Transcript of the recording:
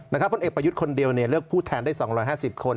พลเอกประยุทธ์คนเดียวเลือกผู้แทนได้๒๕๐คน